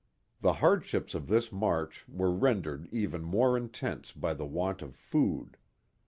The hardships of this march were rendered even more intense by the want of food.